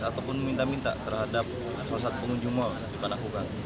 ataupun meminta minta terhadap sosial pengunjung mal di panakukang